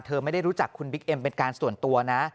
ไม่ได้รู้จักคุณบิ๊กเอ็มเป็นการส่วนตัวนะ